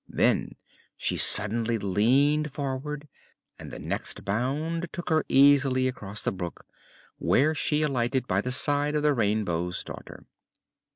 Then she suddenly leaned forward and the next bound took her easily across the brook, where she alighted by the side of the Rainbow's Daughter.